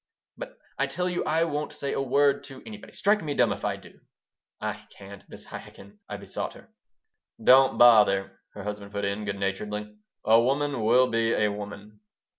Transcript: "But, I tell you, I won't say a word to anybody. Strike me dumb if I do!" "I can't, Mrs. Chaikin," I besought her "Don't bother," her husband put in, good naturedly. "A woman will be a woman."